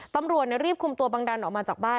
ตำรวจรีบคุมตัวบังดันออกมาจากบ้าน